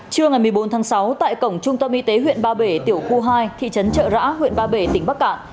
trưa ngày một mươi bốn tháng sáu tại cổng trung tâm y tế huyện ba bể tiểu khu hai thị trấn trợ rã huyện ba bể tỉnh bắc cạn